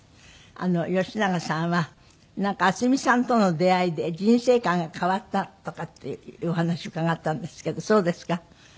吉永さんはなんか渥美さんとの出会いで人生観が変わったとかっていうお話伺ったんですけどそうですか？